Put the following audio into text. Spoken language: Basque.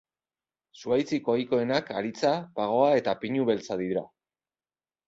Zuhaitzik ohikoenak haritza, pagoa eta pinu beltza dira.